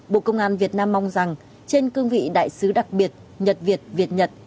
bộ công an việt nam mong rằng trên cương vị đại sứ đặc biệt nhật việt việt nhật